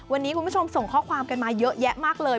วันนี้คุณผู้ชมส่งข้อความกันมาเยอะแยะมากเลย